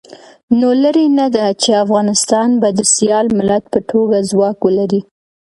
نو لرې نه ده چې افغانستان به د سیال ملت په توګه ځواک ولري.